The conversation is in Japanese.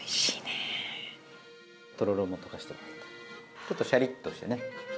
ちょっとシャリッとしてね。